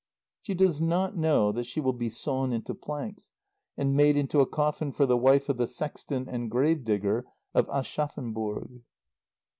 She does not know that she will be sawn into planks and made into a coffin for the wife of the sexton and grave digger of Aschaffenburg.